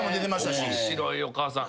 面白いお母さん。